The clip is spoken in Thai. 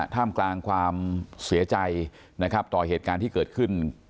ท่ามกลางความเสียใจนะครับต่อเหตุการณ์ที่เกิดขึ้น